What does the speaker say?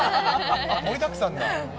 盛りだくさん。